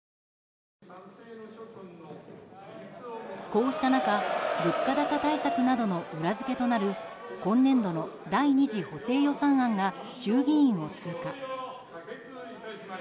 こうした中物価高対策などの裏付けとなる今年度の第２次補正予算案が衆議院を通過。